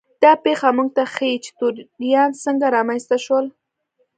دا پېښه موږ ته ښيي چې توریان څنګه رامنځته شول.